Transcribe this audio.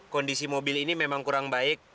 kondisi mobil ini memang kurang baik